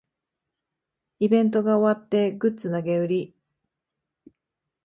イベントが終わってグッズ投げ売り